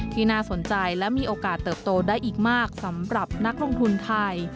ที่น่าสนใจและมีโอกาสเติบโตได้อีกมากสำหรับนักลงทุนไทย